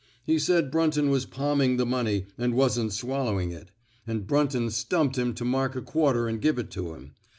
He said Brun ton was palming the money, and wasn't swallowing it. And Brunton stumped him to mark a quarter and give it to him.